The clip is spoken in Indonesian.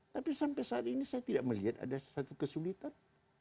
tapi sampai saat ini saya tidak melihat ada satu kesulitan